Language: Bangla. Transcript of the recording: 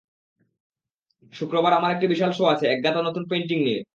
শুক্রবার আমার একটি বিশাল শো আছে, একগাদা নতুন পেইন্টিং নিয়ে।